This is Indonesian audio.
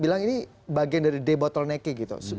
bilang ini bagian dari debotelneki gitu